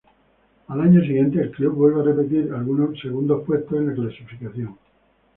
Al año siguiente el club vuelve a repetir segundo puesto en la clasificación.